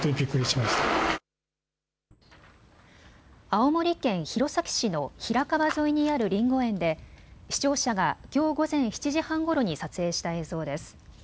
青森県弘前市の平川沿いにあるりんご園で視聴者がきょう午前７時半ごろに撮影した映像です。